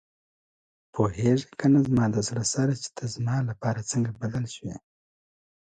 پوهېږې کنه زما د زړه سره چې ته زما لپاره څنګه بدل شوې.